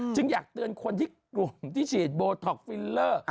อยากเตือนคนที่กลุ่มที่ฉีดโบท็อกฟิลเลอร์